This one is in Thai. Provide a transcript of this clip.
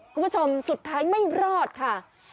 คุณผู้ชมสุดท้ายไม่รอดค่ะ